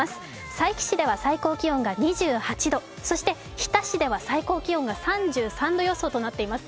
佐伯市では最高気温が２８度、そして日田市では最高気温が３３度予想となっています。